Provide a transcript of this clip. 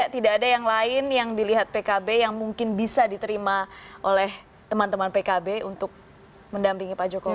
tidak ada yang lain yang dilihat pkb yang mungkin bisa diterima oleh teman teman pkb untuk mendampingi pak jokowi